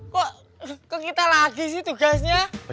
kok ke kita lagi sih tugasnya